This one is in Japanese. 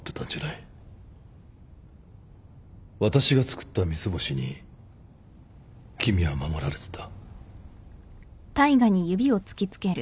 私がつくった三ツ星に君は守られてた。